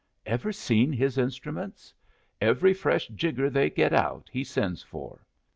Ever seen his instruments? Every fresh jigger they get out he sends for.